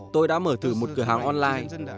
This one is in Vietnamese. tôi đã mở thử một cửa hàng online